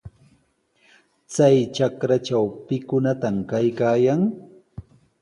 Chay trakratraw, ¿pikunataq kaykaayan?